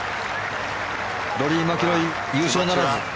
ローリー・マキロイ優勝ならず。